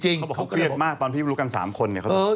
เขาบอกเขาเครียดมากตอนพี่รู้กัน๓คนเนี่ย